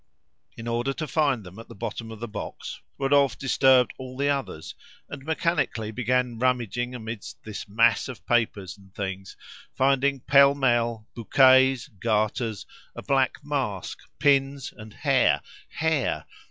In order to find them at the bottom of the box, Rodolphe disturbed all the others, and mechanically began rummaging amidst this mass of papers and things, finding pell mell bouquets, garters, a black mask, pins, and hair hair!